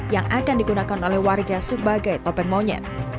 yang akan digunakan oleh warga sebagai topeng monyet